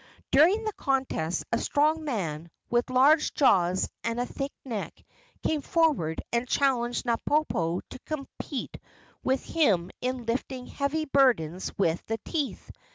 During the contests a strong man, with large jaws and a thick neck, came forward and challenged Napopo to compete with him in lifting heavy burdens with the teeth.